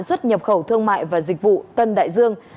xuất nhập khẩu thương mại và dịch vụ tân đại dương